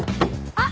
あっ！